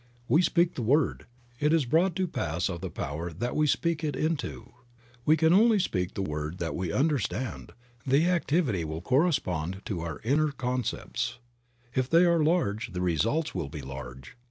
We speak the word, it is brought to pass of the Power that we speak it into. We can only speak the word that we understand, the activity will correspond to our inner concepts. If they are large the results will be large.